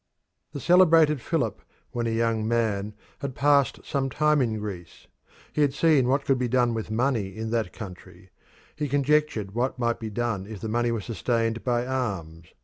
The celebrated Philip, when a young man, had passed some time in Greece; he had seen what could be done with money in that country; he conjectured what might be done if the money were sustained by arms.